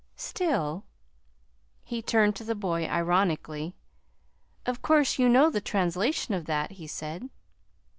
Still" he turned to the boy ironically "of course you know the translation of that," he said.